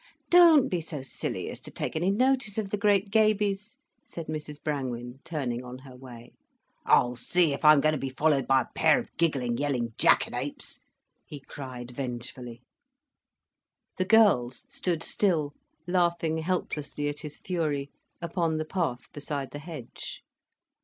"Don't be so silly as to take any notice of the great gabies," said Mrs Brangwen, turning on her way. "I'll see if I'm going to be followed by a pair of giggling yelling jackanapes—" he cried vengefully. The girls stood still, laughing helplessly at his fury, upon the path beside the hedge.